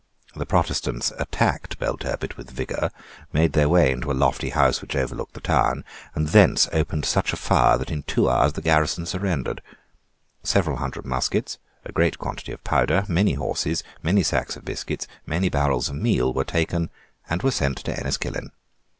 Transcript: The Protestants attacked Belturbet with vigour, made their way into a lofty house which overlooked the town, and thence opened such a fire that in two hours the garrison surrendered. Seven hundred muskets, a great quantity of powder, many horses, many sacks of biscuits, many barrels of meal, were taken, and were sent to Enniskillen.